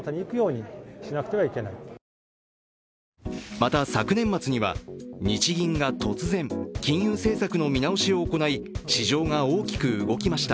また、昨年末には日銀が突然金融政策の見直しを行い市場が大きく動きました。